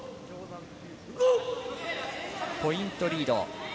ポイントリード。